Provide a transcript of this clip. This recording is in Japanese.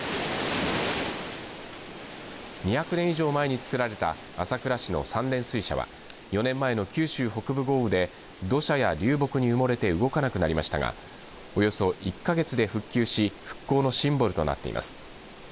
２００年以上前に作られた朝倉市の三連水車は４年前の九州北部豪雨で土砂や流木に埋もれて動かなくなりましたがおよそ１か月で復旧し復興のシンボルとなっています。